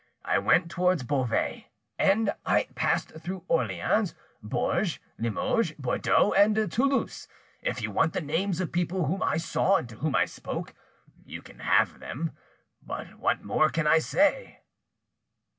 I went towards Beauvais, end I passed through Orleans, Bourges, Limoges, Bordeaux, and Toulouse. If you want the names of people whom I saw and to whom I spoke, you can have them. What more can I say?"